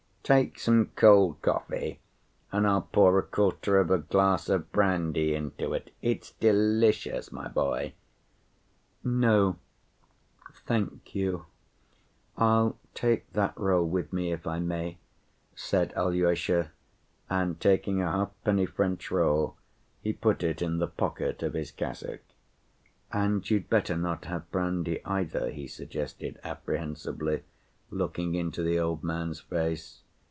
Take some cold coffee and I'll pour a quarter of a glass of brandy into it, it's delicious, my boy." "No, thank you. I'll take that roll with me if I may," said Alyosha, and taking a halfpenny French roll he put it in the pocket of his cassock. "And you'd better not have brandy, either," he suggested apprehensively, looking into the old man's face.